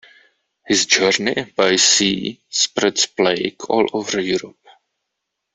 His journey by sea spreads plague all over Europe.